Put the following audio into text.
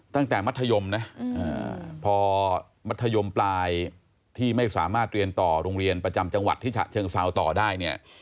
มัธยมนะพอมัธยมปลายที่ไม่สามารถเรียนต่อโรงเรียนประจำจังหวัดที่ฉะเชิงเซาต่อได้เนี่ย